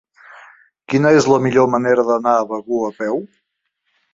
Quina és la millor manera d'anar a Begur a peu?